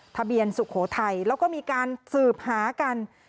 สุโขทัยแล้วก็มีการสืบหากัน